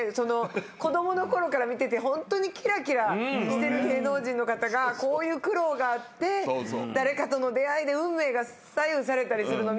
子供のころから見ててホントにきらきらしてる芸能人の方がこういう苦労があって誰かとの出会いで運命が左右されたりするの見ると。